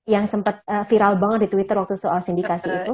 yang sempat viral banget di twitter waktu soal sindikasi itu